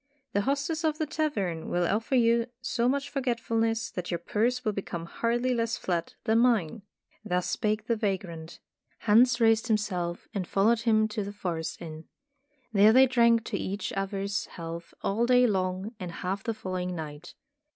The hostess of the tavern will offer you so much forget fulness, that your purse will become hardly less flat than mine." Thus spake the vagrant. Hans raised Tales of Modern Germany 147 himself and followed him to the forest inn. There they drank each other's health all day long, and half the following night.